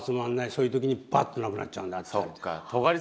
そういう時にバッとなくなっちゃうんだって言われて。